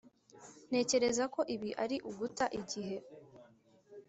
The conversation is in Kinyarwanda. ntekereza ko ibi ari uguta igihe.